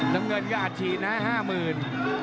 น้ำเงินก็อัดฉีดนะห้าหมื่น